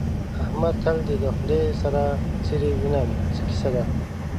احمده! تل دې د خولۍ سر څيرې وينم؛ څه کيسه ده؟